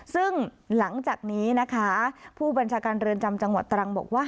ซึ่งหลังจากนี้นะคะผู้บัญชาการเรือนจำจังหวัดตรังบอกว่า